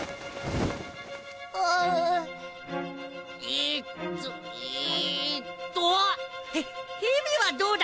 えっとえっと。へ蛇はどうだ？